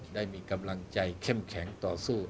ได้มีกำลังใจเข้มแข็งต่อสู้